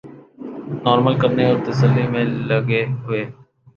normal کرنے اور تسلی میں لگے ہوئے